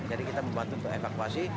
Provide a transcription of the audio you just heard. jadi kita membantu untuk evakuasi